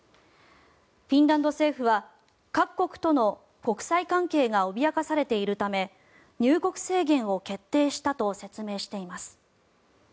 フィンランド政府は各国との国際関係が脅かされているため入国制限を決定したと説明しています。